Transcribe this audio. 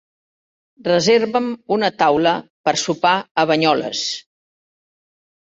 Reserva'm una taula per sopar a Banyoles.